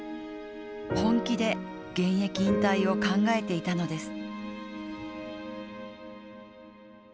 本気で現役引退を考えていたのです。